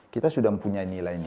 kita sudah mempunyai nilai